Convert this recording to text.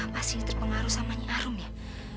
pasti terpengaruh sama nyi arum ya